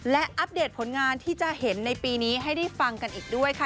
และอัปเดตผลงานที่จะเห็นในปีนี้ให้ได้ฟังกันอีกด้วยค่ะ